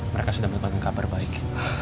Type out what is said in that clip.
mereka sudah mendapatkan kabar baik